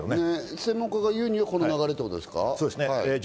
専門家が言うには、この流れということですね。